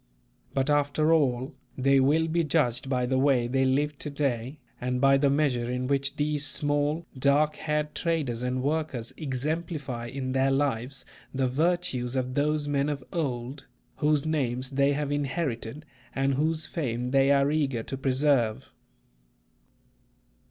But after all, they will be judged by the way they live to day and by the measure in which these small, dark haired traders and workers exemplify in their lives the virtues of those men of old, whose names they have inherited and whose fame they are eager to preserve.